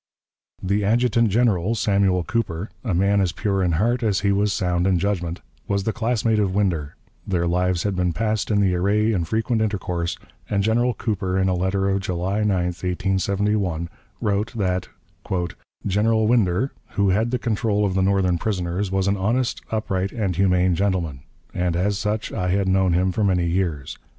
The Adjutant General, Samuel Cooper, a man as pure in heart as he was sound in judgment, was the classmate of Winder; their lives had been passed in the array in frequent intercourse; and General Cooper, in a letter of July 9, 1871, wrote that "General Winder, who had the control of the Northern prisoners, was an honest, upright, and humane gentleman, and as such I had known him for many years.